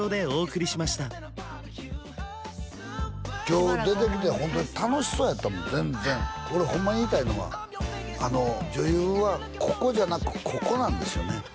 今日出てきてホントに楽しそうやったもん全然俺ホンマに言いたいのは女優はここじゃなくここなんですよね